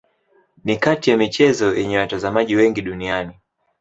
Ni kati ya michezo yenye watazamaji wengi duniani.